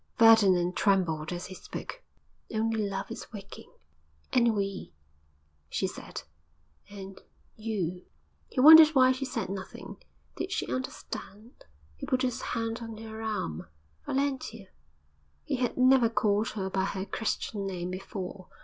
Ferdinand trembled as he spoke. 'Only Love is waking!' 'And we!' she said. 'And you!' He wondered why she said nothing. Did she understand? He put his hand on her arm. 'Valentia!' He had never called her by her Christian name before.